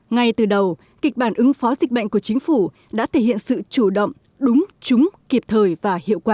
ngay từ đầu kịch bản ứng phó dịch bệnh của chính phủ đã thể hiện sự chủ động đúng trúng kịp thời và hiệu quả